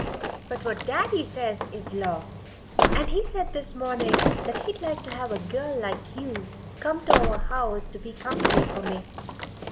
But what Daddy says is law, and he said this morning that he'd like to have a girl like you come to our house to be company for me.